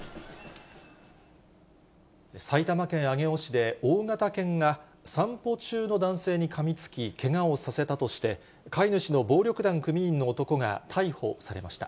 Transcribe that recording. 埼玉県上尾市で、大型犬が、散歩中の男性にかみつきけがをさせたとして、飼い主の暴力団組員の男が逮捕されました。